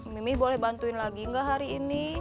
mimi boleh bantuin lagi enggak hari ini